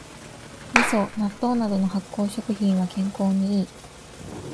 みそ、納豆などの発酵食品は健康にいい